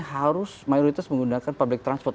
harus mayoritas menggunakan public transport